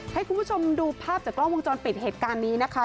ให้คุณผู้ชมดูภาพจากกล้องวงจรปิดเหตุการณ์นี้นะคะ